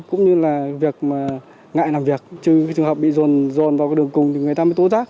cũng như ngại làm việc chứ trường hợp bị dồn vào đường cùng thì người ta mới tố rác